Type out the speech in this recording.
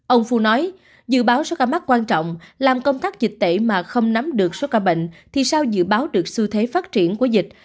ông phu nói dự báo số ca mắc quan trọng làm công tác dịch tễ mà không nắm được số ca bệnh thì sao dự báo được xu thế phát triển của dịch